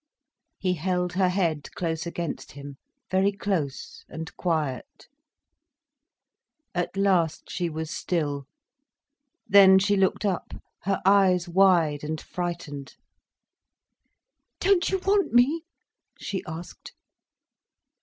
He held her head close against him, very close and quiet. At last she was still. Then she looked up, her eyes wide and frightened. "Don't you want me?" she asked.